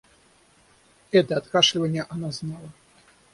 Это откашливанье она знала.